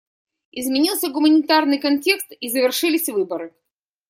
Изменился гуманитарный контекст, и завершились выборы.